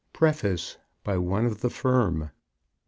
PREFACE. BY ONE OF THE FIRM.